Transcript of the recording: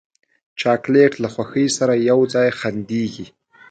چاکلېټ له خوښۍ سره یو ځای خندېږي.